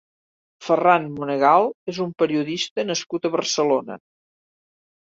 Ferran Monegal és un periodista nascut a Barcelona.